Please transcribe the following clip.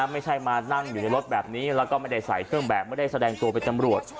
ไม่ใช่มานั่งอยู่ในรถแบบนี้แล้วก็ไม่ได้ใส่เครื่องแบบไม่ได้แสดงตัวเป็นตำรวจ